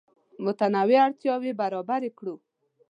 متنوع اړتیاوې برابر کړو.